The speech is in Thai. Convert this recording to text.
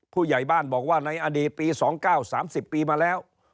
ผู้ใหญ่บ้านบอกว่าในอดีตปี๒๙๓๐ปีมาแล้ว